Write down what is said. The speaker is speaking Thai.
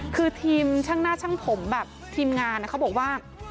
คือทีมช่างหน้าช่างผมแบบทีมงานเขาบอกว่า